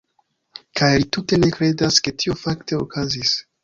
Kaj li tute ne kredas, ke tio fakte okazis.